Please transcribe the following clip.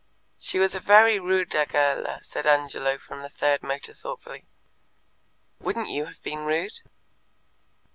"She was a very ruda girla," said Angelo from the third motor thoughtfully. "Wouldn't you have been rude?"